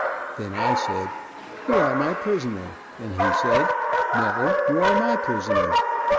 Then I said, "You are my prisoner," and he said, "No, you are my prisoner."